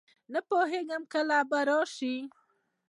نه پوهېږم کله به راشي.